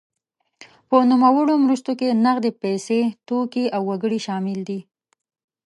په نوموړو مرستو کې نغدې پیسې، توکي او وګړي شامل دي.